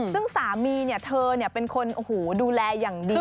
ซึ่งสามีเธอเป็นคนดูแลอย่างดี